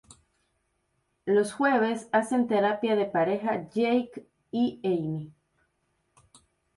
Los jueves hacen terapia de pareja Jake y Amy.